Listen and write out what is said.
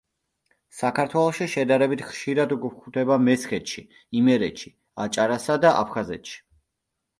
საქართველოში შედარებით ხშირად გვხვდება მესხეთში, იმერეთში, აჭარასა და აფხაზეთში.